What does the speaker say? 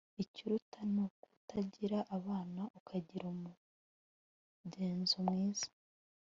ikiruta ni ukutagira abana ukagira umugenzo mwiza